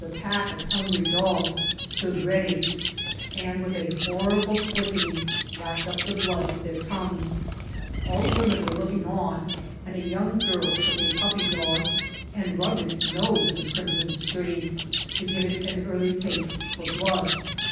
The pack of hmi« gry dogs stood ready, and, with a horrible clickingi lapped up the blood with their tongues. All the worn en were looking on, and a young girl took a puppy do^ and rubbed its nose in the crimson stream, to give it early a taste for blood.